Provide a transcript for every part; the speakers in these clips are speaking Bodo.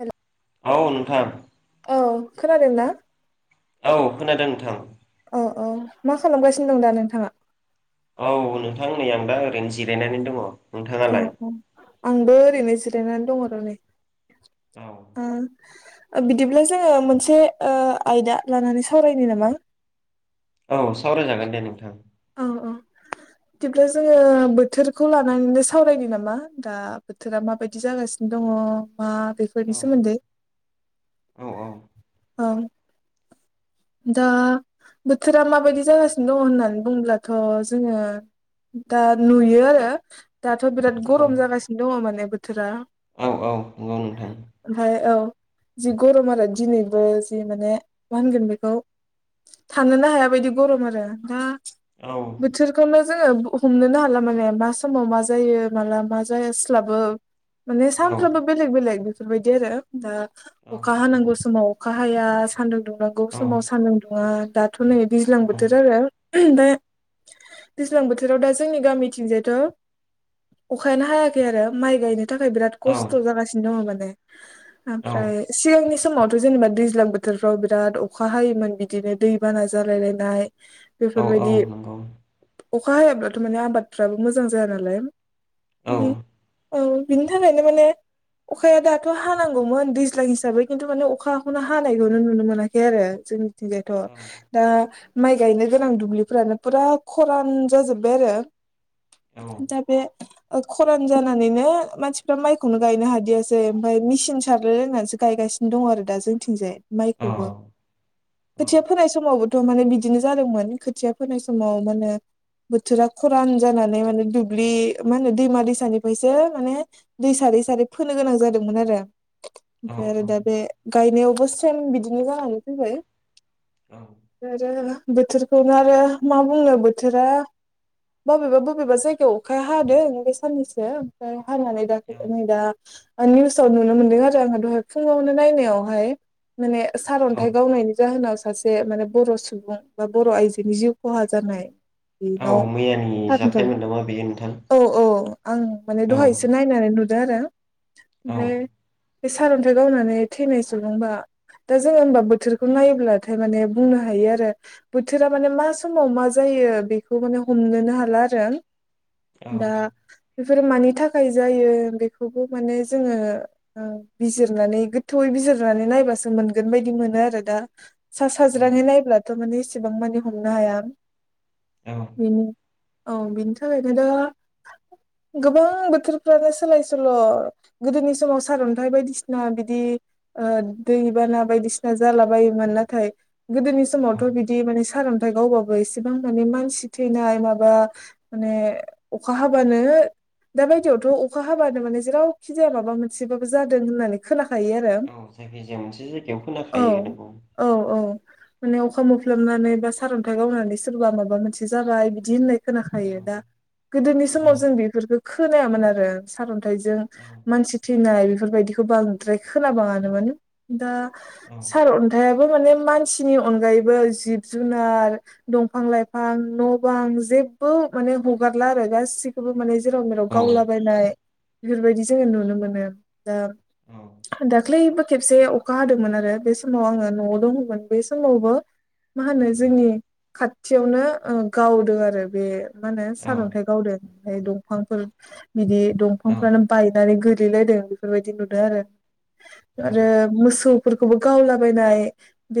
हेल' औ नोंथां औ खोनादों ना? औ खोनादों नोंथां औ-औ मा खालामगासिनो दं दा नोंथाङा? औ नोंथां नै आं दा ओरैनो जिरायनानै दङ औ नोंथाङालाय? औ आंबो ओरैनो जिरायनानै दं आरो नै औ ओ ओ बिदिब्ला जोङो मोनसे ओ आयदा लानानै सावरायनो नामा? औ सावरायजागोन दे नोंथां औ-औ बिदिब्ला जोङो बोथोरखौ लानानैनो सावरायनो नामा दा बोथोरा माबायदि जागासिनो दङ मा बेफोरनि सोमोन्दै औ-औ औ दा बोथोरा माबायदि जागासिनो दङ होननानै बुङोब्लाथ' जोङो दा नुयो आरो दाथ' बिराद गरम जागासिनो दङ माने बोथोरा औ-औ नंगौ नोंथां ओमफाय औ जि गरम आरो दिनै बो जि माने मा होनगोन बेखौ थानोनो हाया बायदि गरम आरो दा औ। बोथोरखौनो जोङो हमनोनो हाला माने मा समाव मा जायो माला मा जास्लाबो। माने औ सानफ्रोमबो बेलेग-बेलेग बेफोरबायदि आरो दा अखा नंगौ हानांगौ समाव अखा हाया सान्दुं दुंनांगौ औ समाव सान्दुं दुङा दाथ' नै दैज्लां बोथोर आरो दा दैज्लां बोथोराव दा जोंनि गामिथिंजायथ' अखायानो हायाखै आरो माइ गायनो थाखाय बिराद औ खस्थ' जागासिनो दङ माने औ ओमफ्राय सिगांनि समावथ' जेनेबा दैज्लां बोथोरफ्राव बिराद अखा हायोमोन बिदिनो दै बाना जालायलायनाय। औ औ बेफोरबायदि नंगौ अखा हायाब्लाथ' माने आबादफ्राबो मोजां जाया नालाय। औ बेदि औ बिनि थाखायनो माने अखाया दाथ' हानांगौमोन दैज्लां हिसाबै खिन्थु माने अखा खौनो हानायखौनो नुनो मोनाखै आरो जोंनिथिंजायथ'। दा माइ गायनो गोनां दुब्लिफोरानो फुरा खरान जाजोब्बाय आरो। औ दा बे ओ खरान जानानैनो मानसिफ्रा माइखौनो गायनो हादियासै ओमफाय मिसिन सारो होननानैसो गायगासिनो दं आरो दा जोंथिंजाय औ माइखौबो खोथिया फोनाय समावबो थ' माने बिदिनो जादोंमोन खोथिया फोनाय समाव माने बोथोरा खरान जानानै माने दुब्लि मा होनो दैमा-दैसानिफ्रायसो माने दै सारै-सारै फोनो गोनां जादोंमोन आरो। ओमफ्राय आरो दा बे गायनायावबो सेम बिदिनो जानानै फैबाय। औ। ओमफायआरो ना बोथोरखौनो आरो मा बुंनो बोथोरा बबेबा-बबेबा जायगायाव अखाया हादों बे साननैसो ओमफ्राय हानानै दा नै दा ओमफाय निउसाव नुनो मोन्दों आरो आंहा दहाय फुङावनो नायनायावहाय। माने सार औ अन्थाइ गावनायनि जाहोनाव सासे माने बर' सुबुं बा बर' आइजोनि जिउ खहा जानाय। औ बेनाव मैयानि जाथाय मोनदोंमोन बेयो नोंथां। अ आं माने औ दहायसो नायनानै नुदों आरो औ ओमफाय बे सारअनथाय गावनानै थैनाय नङ बा दा जोङो बोथोरखौ नायब्लाथाय माने बुंनो हायो आरो बोथोरा माने मा समाव मा जायो बेखौ माने हमनोनो हाला आरो दा बेफोरो मानि थाखाय जायो बेखौबो माने जोङो ओ बिजिरनानै गोथौयै बिजिर नानै नायबासो मोनगोन बायदि मोनो आरो दा सा साज्रांयै नायब्ला थ' माने एसेबां माने हमनो हाया औ बिनि औ बिनि थाखायनो दा गोबां बोथोरफ्रानो सोलाय सोल' गोदोनि समाव सारन्थाइ बायदिसिना बिदि ओ दै बाना बायदिसिना जाला बायोमोन नाथाय गोदोनि औ समावथ' बिदि माने सार अ न्थाय गावबाबो इसेबां माने मानसि थैनाय माबा माने अखा हाबानो दा बायदियावथ' अखा हाबानो माने जेरावखि जाया माबा मोनसेबाबो जादों होननानै खोनाखायो आरो औ जिखि जाया मोनसे जायगायाव औ खोनाखायो नंगौ। औ औ। माने अखा मोफलामनानै बा सारन्थाइ गावनानै सोरबा माबा मोनसे जाबाय बिदि होननाय औ खोनाखायो दा गोदोनि औ समाव जों बेफोरखो खोनायामोन आरो। सारन्थाइजों मानसि थैनाय बेफोरबायदिखौ बांद्राय खोनाबाङा नोमोन दा औ सारअन्थाइआबो माने मानसिनि अनगायैबो जिब जुनार दंफां लाइफां न' बां जेबो माने हगारला आरो गासिब खौबो माने जेराव मेराव गावलाबायनाय बेफोरबायदि जोङो नुनो मोनो दा औ ख्लैबो खेबसे अखा हादोंमोन आरो बे समाव आङो न'आव दंमोन बे समावबो मा होनो जोंनि खाथियावनो ओ गावदों आरो बे मा होनो सारअन्थाइ गावदो ओमफाय दंफांफोर बिदि दंफांफ्रानो बायनानै गोलैलायदों बेफोरबायदि नुदो आरो। आरो मोसौफोरखौबो गावलाबायनाय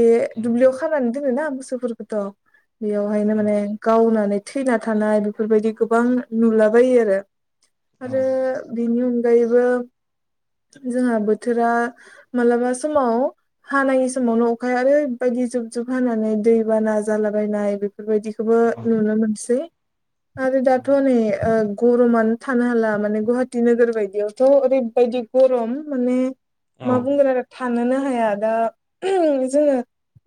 बे दुब्लियाव खानानै दोनो ना मोसौफोरखौथ' बेयावहायनो माने गावनानै थैना थानाय बेफोरबायदि गोबां नुलाबायो आरो। औ आरो बिनि अनगायैबो जोंहा बोथोरा मालाबा समाव हानाङि समावनो अखाया ओरैबायदि जुब जुब हानानै दै बाना जालाबायनाय बेफोरबायदि खौबो औ नुनो मोनसै आरो दाथ' नै ओ गर'मानो थानो हाला माने गुवाहाटि नोगोर बायदियावथ' ओरैबायदि गर'म माने मा बुंगोन आरो थानोनो हाया दा जोङो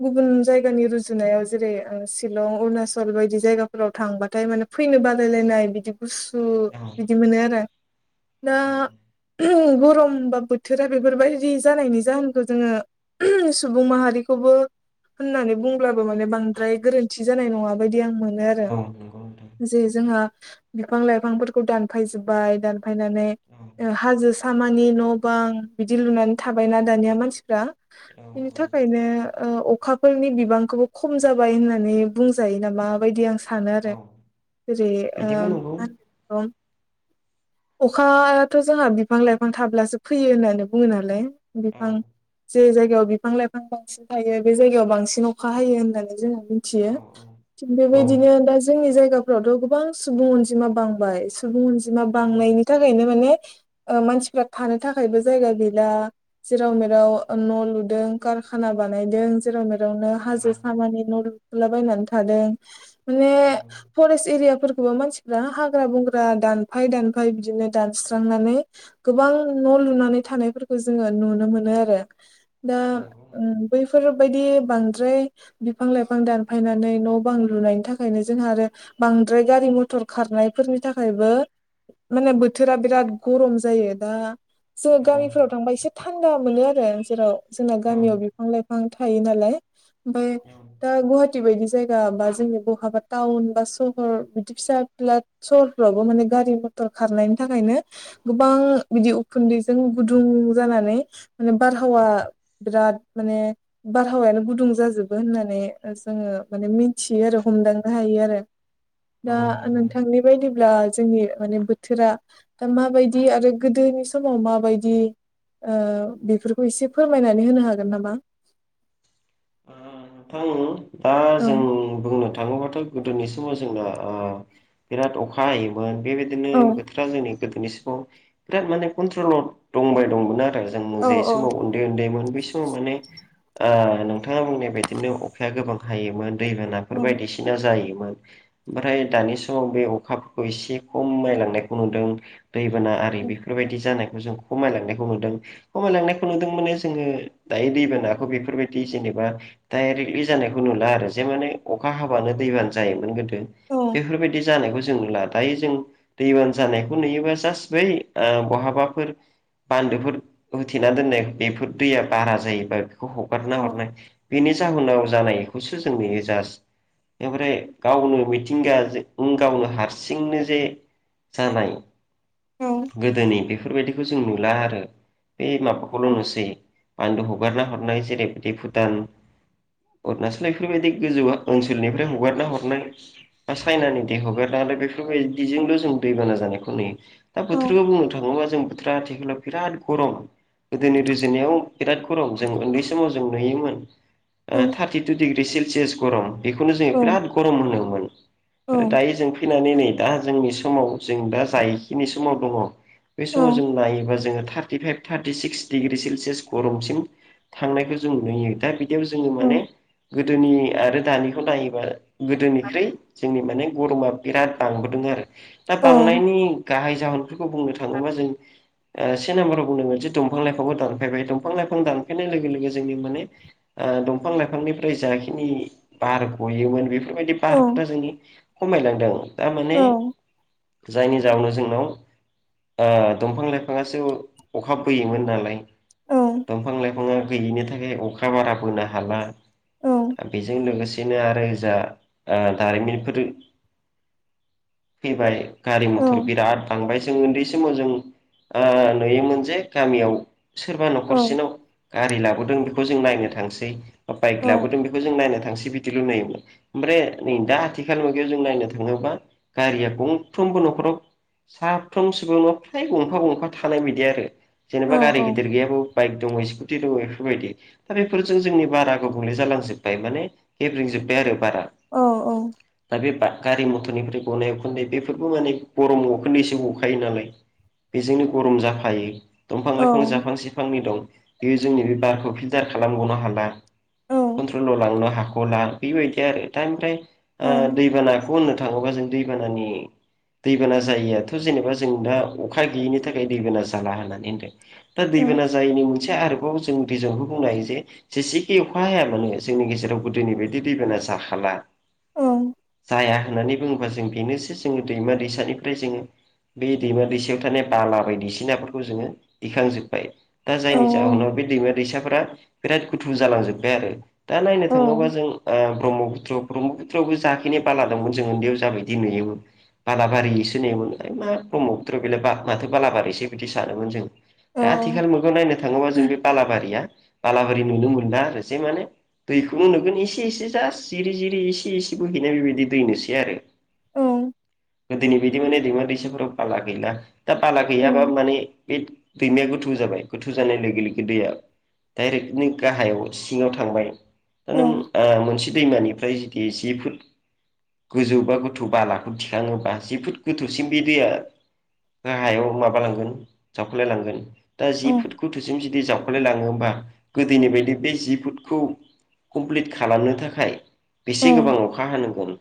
गुबुन जायगानि रुजुनायाव जेरै ओ शिलं अरुणाचल बायदि जायगाफोराव थांबाथाय माने फैनो बादायलायनाय बिदि गुसु बिदि मोनो आरो। दा औ उम गर'म बा बो थोरा बेफोरबायदि जानायनि जाहोनखौ जोङो सुबुं माहारिखौबो होननानै बुंब्लाबो माने बांद्राय गोरोन्थि जानाय नङा बायदि आं मोनो आरो। नंगौ नोंथां जे जोंहा बिफां लाइफांफोरखौ दानफायजोबबाय दान फायनानै ओ हाजो सामानि न' बां बिदि लुनानै थाबायना दानिया मानसिफ्रा। औ बिनि थाखायनो ओ अखाफोरनि बिबांखौ खम जाबाय होननानै बुंजायो नामा बायदि आं सानो औ आरो जेरै ओ बिदिबो नंगौ मान अखायाथ' जोंहा बिफां लाइफां थाब्लासो फैयो होननानै बुङो नालाय। औ बिफां जे जायगायाव बिफां लाइफां बांसिन थायो बे जायगायाव बांसिन अखा हायो होननानै जोङो मि थियो। औ थिग औ बेबायदिनो दा जोंनि जायगाफ्रावथ' गोबां सुबुं अनजिमा बांबाय सुबुं अनजि जिमा नंगौ बांनायनि थाखायनो माने ओ मानसिफ्रा थानो थाखायबो जायगा गैला जेराव मेराव ओ न' लुदों कारखाना बानायदों जेराव मेरावनो नोंथां औ हाजो सामानि न' लुला बायनानै थादों। माने फरेस्ट एरिया फोरफोरखौबो मानसि रा हाग्रा बंग्रा दानफाय दानफाय बिदिनो दानस्रांनानै गोबां न' लुनानै थानायफोरखौ जोङो नुनो मोनो आरो दा ओ बै फोरबायदि बांद्राय बिफां लाइफां दानफायनानै न' बां लुनायनि थाखायनो जोंहा आरो बांद्राय गारि मथर खारनायफोरनि थाखायबो माने बोथोरा बिराद गर'म जायो दा जे गामिफोराव थांबा एसे थानदा मोनो आरो जेराव जोंना गामियाव बिफां लाइफां थायो नालाय। बाय दा गुवाहाटि। बायदि जायगा बा जोंनि बहाबा टाउन बा सहर बिदि फिसा फिला। सहरफ्रावबो माने गारि मथर खारनायनि थाखायनो गोबां बिदि उखुन्दै। जों गुदुं जानानै माने बारहावा बिराद माने बारहावायानो गुदुं जाजोबो होननानै जोङो माने मिथियो आरो हमदांनो हायो आरो। औ दा औ नंगौ नोंथा। थांनाय बायदिब्ला जोंनि माने बोथोरा दा माबायदि आरो गोदोनि समाव मा बायदि बेफोरखौ एसे फोरमायनानै होनो हागोन नामा। ओ नोंथां दा औ जों बुंनो था थाङोबाथ गोदोनि समाव जोंना ओ बिराद अखा हायोमोन बेबायदिनो औ बोथोर जोंनि गोदोनि समाव बिराद माने कन्ट्रल दंबाय दंमोन आरो जों औ जे औ समाव। उन्दै उन्दैमोन बै समाव माने ओ नोंथाङा बुंनाय बायदिनो अ अखाया गोबां हायोमोन औ दैबानाफोर बायदिसिना जायोमोन ओमफ्राय दानि समाव बे अखाफोरखौ एसे खम नायलांनायखौ मोनदों। दैबाना आरि औ बेफोरबायदि जानायखौ जों। खमायलांनायखौ नुदों खमायलांनायखौ नुदों माने जोङो दायो दैबानाखौ बेफोरबादि जेनेबा बा डाइरेक्टलि जानायखौ नुला आरो जे माने अखा हाबानो दैबानो जायोमोन गो दो औ बेफोरबायदि। जानायखौ जों नुला दायो जों दैबान जानायखौ नुयोबा जास बै बहाबाफोर बान्दोफोर होथेना दोननाय बेफोर दैया बारा जायोबा बेखौ हगारना हरनाय बेनि जाहोनाव जानायखौसो जों नुङो जास बेनिफ्राय गावनो मिथिंगाजों गावनो हारसिंनो जे जानाय औ गोदोनि बेफोरबायदिखौ जों नुला आरो बे माखौबाल औ नुसै बान्दो हगारना हरनाय जेरैबायदि भुटान अरुनााचल बेफोरबायदि गोजौ ओनसोलनिफ्राय हगारना हरनाय बा सायनानि दै हगारनानै बेफोरबायदिजोंल जों दैबाना जानायखौ जों नुयो दा बोथोरखौ बुंनो थाङोबा जों बोथोरा आथिखालाव बिराद गरम गोदोनि रुजुनायाव बिराद गरम जों उन्दै समाव जों नुयोमोन औ थार्टि टु डिग्रि सेलसियास गरम बेखौनो जोङो बिराद गरम होनोमोन औ ओमफ्राय दायो जों फैनानै नै दा जोंनि समाव जों दा जायखिनि समाव दङो बे औ समाव जों नायोबा जोङो thirty five thirty six degree Celsius गरमसिम थांनायखौ जों नुयो दा बिदियाव जोङो माने गोदोनि आरो दानिखौ नायोबा गोदोनिख्रुइ जोंनि माने गरमा बिराद बांबोदों आरो दा औ बांनायनि गाहाय जाहोनफो खौ बुंनो थाङोबा जों से नाम्बाराव बुंदोंमोन जे दंफां लाइफांबो दानफायबाय दंफां लाइफां दानफायनाय लोगो लोगो जोंनि माने ओ दंफां लाइफांनिफ्राय जाखिनि बार गयोमोन बेफोरबायदि बारफोरा जोंनि खमायलांदों थारमाने औ औ जायनि जाउनाव जोंनाव ओ दंफां लाइफाङासो अखा बोयोमोन नालाय दंफां लाइफाङा गैयिनि थाखाय अखा बारा बोनो हाला दा बेजों लोगोसेनो आरो जा दारिमिनफोर फैबाय गारि मथर बिराद बांबाय जों उन्दै समाव जों ओ‌ नुयोमोन जे गामियाव सोरबा औ न'खरसेनाव गारि लाबोदों बेखौ जों नायनो थांसै बाइक लाबोदों बेखौ जों नायनो थांसै बिदि ल' नुयोमोन ओमफ्राय नै दा आथिखाल मुगायाव जों नायनो थाङोब्ला गारिया गंफ्रोमबो न'खराव साफ्रोम सुबङाव फ्राय गंफा गंफा थानाय बायदि आरो जेनेबा गारि गिदिर गैयाबो बाइक दङ स्कुटि दङ बेफोरबायदि दा बेफोर जों जोंनि बारा गुबुंले जालांजोब्बाय माने गेब्रेंजोबबाय आरो बारा औ औ दा बे गारि मथरनिफ्राय गनाय उखोनदै बेफोरबो माने गरम उखोनन्दैसो गखायो नालाय बेजोंनो गरम जाफायो दंफां लाइफां जा फांसे फांनै दं बेयो जोंनि बे बारखौ फिल्टार खालामगनो हाला कन्ट्रलाव लांनो हाख'ला बेबायदि आरो दा ओमफ्राय ओ दैबानाखौ होननो थाङोबा जों दैबानानि दैबाना जायियाथ' जेनेबा जों दा अखा गैयिनि थाखाय दैबाना जाला होननानै होनदों दा दैबाना जायैनि मोनसे आरोबाव जों रिजनखौ बुंनो हायो जे जेसेखि अखा हायामानो जोंनि गेजेराव गोदोनि बायदि दैबाना जाखाला ओ हाया होननानै बुङोबा जों बेनोसै जोङो दैमा दैसानिफ्राय जोङो बे दैमा दैसायाव थानाय बाला बायदिसिनाफोरखौ जोङो दिखां जोब्बाय दा जायनि जाहोनाव बे दैमा दैसाफोरा बिराद गुथु जालांजोब्बाय आरो दा नायनो थाङोबा जों ब्रह्मपुत्र ब्रह्मपुत्र यावबो जाखिनि बाला दंमोन जों उन्दैयाव जाबायदि नुयोमोन बालाबारिसो नेमोन मा ब्रह्मपुत्र बेलाय माथो बालाबारिसो बिदि सानोमोन जों दा आथिखाल मैगं नायनो थाङोबा जों बे बालाबारिया बालाबारि नुनो मोना आरो जे माने दैखौनो नुगोन एसे एसे जास्ट जिरि जिरि एसे बेबायदि दै नुसै आरो औ गोदोनि बादि माने दैसाफोराव बाला गैला दा बाला औ गैयाबा माने बे दैमाया गोथौ जाबाय गोथौ जानाय लोगो लोगो दैया डाइरेक्ट बिदिनो गाहायाव सिङाव थांबाय दा नों ओ मोनसे दैमानिफ्राय जुदि जि फुट गोजौ बा गोथौ बालाखौ थिखाङोबा जोबोद गोथौसिम बे दैया गाहायाव माबालांगोन जावख्लाय लांगोन दा औ जि फुट गोथौसिम जुदि जावख्लाय लाङोबा गोदोनि बायदि बे जि फुटखौ कमप्लिट खालामनो थाखाय औ बेसे गोबां अखा हानांगोन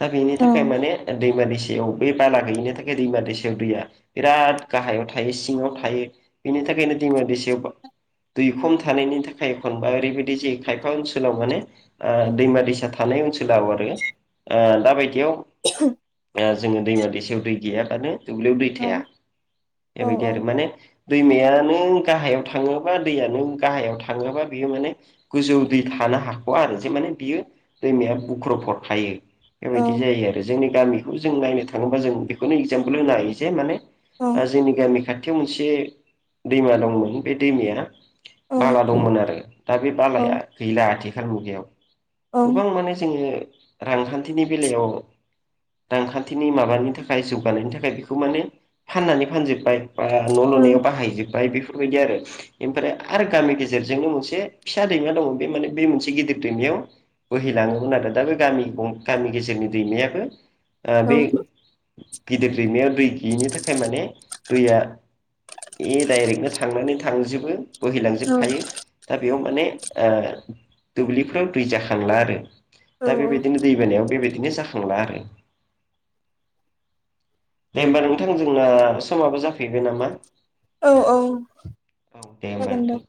दा बेनि औ थाखाय माने दैमा दैसायाव बे बाला गैयिनि थाखाय दैमा दैसायाव दैया बिराद गाहायाव थायो सिङाव बिनि थाखायनो दैसायाव दै खम थानायनि थाखाय एखनबा ओरैबायदि जे खायफा ओनसोलाव माने ओ औ दैमा दैसा थानाय ओनसोलााव आरो ओ दा बायदियाव जोङो दैमा दैसायाव दै गैयाबानो दुब्लियाव दै औ थाया दा औ बेबायदि आरो माने दैमायानो गाहायाव थाङो बा दैयानो गाहायाव थाङोबा बेयो माने गोजौ दै थानो हाख'वा आरो जे माने बियो दैमाया बुख्र हरखायो औ बेबायदि जायो आरो जोंनि गामिखौ जों नायनो थाङोबा जों बेखौनो एगजामपोल होनो हायो जे माने दा जोंनि गामि खाथियाव मोनसे दैमा दंमोन बे दैमाया बाला दंमोन आरो दा बे बालाया गैला आथिखाल मुगायाव औ गोबां माने जोङो रांखान्थिनि बेलायाव रांखान्थिनि माबानि थाखाय जौगानायनि थाखाय बेखौ माने फाननानै फानजोबबाय। आ न' लुनायाव बाहाय जोब्बाय बेफोरबायदि आरो। एमफ्राय आरो गामि गेजेरजोंनो मोनसे फिसा दैमा दङ। बे माने बे मोनसे गिदिर दैमायाव बोहैलाङोमोन आरो दा बे गामि गं गामि गेजेरनि दैमायाबो ओ बे गिदिर दैमायाव दैगैयिनि थाखाय माने दैया ए दायरेगनो थांनानै थांजोबो बोहैलांजोब खायो। दा बेयाव माने ओ दुब्लिफ्राव दै जाखांला आरो। दा बेबायदिनो दैबानायाव बेबायदिनो जाखांला आरो। दे होमबा नोंथां जोंना समाबो जाफैबाय नामा? औ औ औ दे होमबा नोथां।